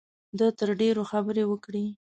ده تر ډېرو خبرې وکړې.